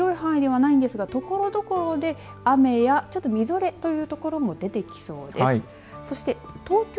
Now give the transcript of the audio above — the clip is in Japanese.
それも広い範囲ではないんですがところどころで雨やみぞれという所も出てきそうです。